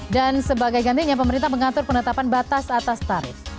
dan sebagai gantinya pemerintah mengatur penetapan batas atas tarif